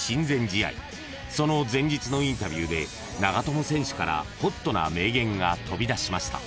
［その前日のインタビューで長友選手からホットな名言が飛び出しました］